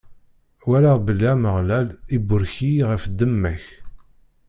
Walaɣ belli Ameɣlal iburek-iyi ɣef ddemma-k.